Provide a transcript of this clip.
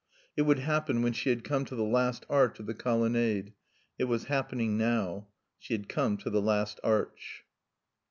It would happen when she had come to the last arch of the colonnade. It was happening now. She had come to the last arch.